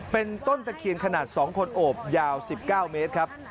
เป็นต้นตะเคียนขนาด๒คนโอบยาว๑๙เมตรครับ